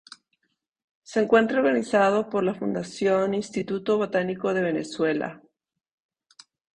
Se encuentra organizado por la Fundación Instituto Botánico de Venezuela “Dr.